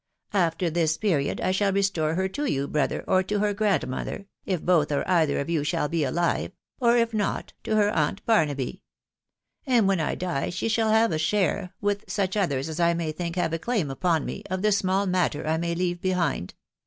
After this period I shall restore her to you, brother, or to her grandmother, if both or ^either of you shall be alive, or if not, to her aunt Barnaby ; .and when I die she shall have a share, with such others as I may think have a claim upon me, of the small matter I may leave "behind.